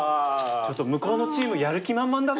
ちょっと向こうのチームやる気満々だぞ。